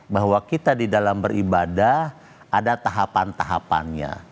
bahwa kita di dalam beribadah ada tahapan tahapannya